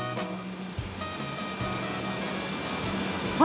あ！